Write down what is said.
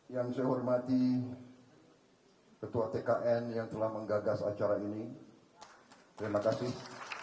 yang saya hormati ketua tkn yang telah menggagas acara ini terima kasih